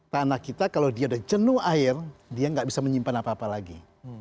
tanah kita kalau dia ada jenuh air dia nggak bisa menyimpan apa apa lagi